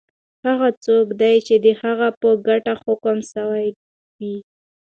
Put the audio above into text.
هغه څوک دی چی د هغه په ګټه حکم سوی وی؟